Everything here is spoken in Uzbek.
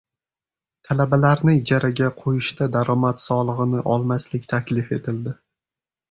Talabalarni ijaraga qo‘yishda daromad solig‘ini olmaslik taklif etildi